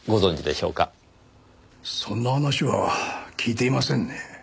そんな話は聞いていませんね。